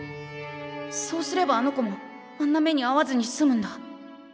そうすればあの子もあんな目にあわずに済むんだ。